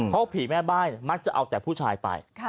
เพราะผีแม่บ้านมักจะเอาแต่ผู้ชายไป